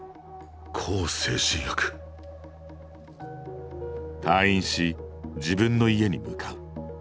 向精神薬？退院し自分の家に向かう。